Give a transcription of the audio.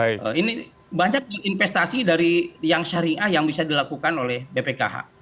ini banyak investasi dari yang syariah yang bisa dilakukan oleh bpkh